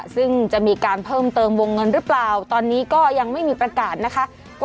ซึ่งจะมีการเพิ่มเติมวงเงินหรือเปล่าตอนนี้ก็ยังไม่มีประกาศนะคะ